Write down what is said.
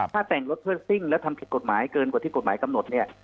ถ้าแต่งรถเพื่อซิ่งแล้วทำผิดกฎหมายเกินกว่าที่กฎหมายกำหนดเนี่ย